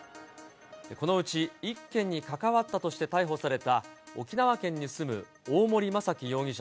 このうち１件に関わったとして逮捕された、沖縄県に住む大森正樹容疑者